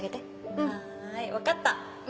うん。はい分かった。